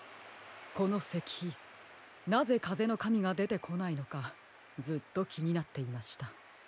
このせきひなぜかぜのかみがでてこないのかずっときになっていました。